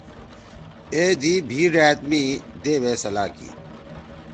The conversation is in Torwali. اے دی بھی ڙأت می دیؤے سلا کی: